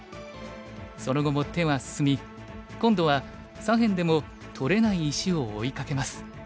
その後も手は進み今度は左辺でも取れない石を追いかけます。